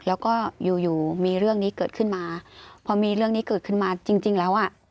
แล้วก็อยู่อยู่มีเรื่องนี้เกิดขึ้นมาพอมีเรื่องนี้เกิดขึ้นมาจริงจริงแล้วอ่ะ